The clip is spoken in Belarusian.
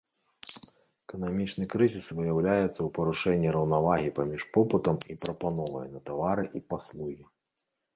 Эканамічны крызіс выяўляецца ў парушэнні раўнавагі паміж попытам і прапановай на тавары і паслугі.